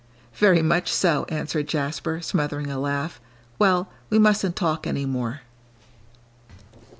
"Very much so," answered Jasper, smothering a laugh; "well, we mustn't talk any more."